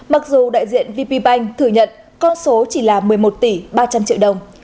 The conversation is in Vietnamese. mặc dù đại diện vp bank thừa nhận con số chỉ là một mươi một tỷ ba trăm linh triệu đồng